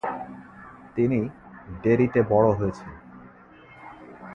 তিনি ডেরি'তে বড় হয়েছেন।